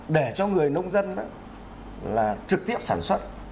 để cho người nông dân là trực tiếp sản xuất